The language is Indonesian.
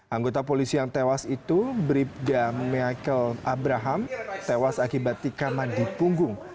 anggota polisi yang tewas itu bribda michael abraham tewas akibat tikaman di punggung